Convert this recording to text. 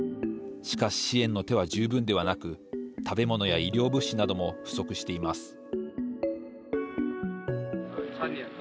しかし支援の手は十分ではなく食べ物や医療物資なども不足しています。